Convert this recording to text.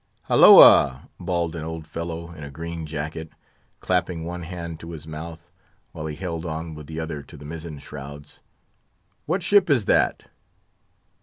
"Halloa!" bawled an old fellow in a green jacket, clap ping one hand to his mouth, while he held on with the other to the mizzen shrouds. "What ship's that?"